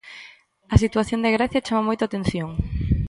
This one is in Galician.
A situación de Grecia chama moito a atención.